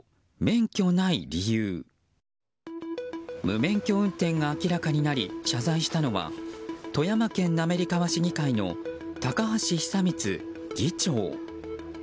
無免許運転が明らかになり謝罪したのは富山県の滑川市議会の高橋久光議長。